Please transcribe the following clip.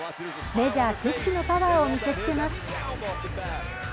メジャー屈指のパワーを見せつけます。